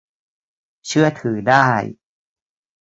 เชื่อถือได้